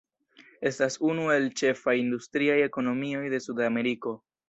Estas unu el ĉefaj industriaj ekonomioj de Sudameriko.